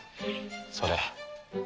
それ。